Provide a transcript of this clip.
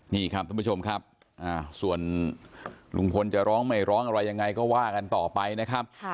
นี่ครับท่านผู้ชมครับส่วนลุงพลจะร้องไม่ร้องอะไรยังไงก็ว่ากันต่อไปนะครับ